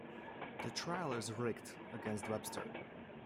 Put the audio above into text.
The trial is rigged against Webster.